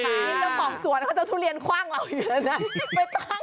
มีเจ้าของสวนเขาจะทุเรียนคว่างเราอยู่แล้วนะ